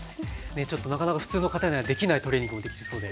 ちょっとなかなか普通の方にはできないトレーニングもできるそうで。